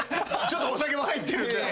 ちょっとお酒も入ってるんで。